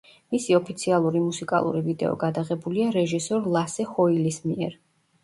მისი ოფიციალური მუსიკალური ვიდეო გადაღებულია რეჟისორ ლასე ჰოილის მიერ.